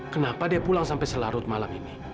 kenapa dia pulang sampai selarut malam ini